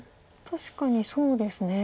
確かにそうですね。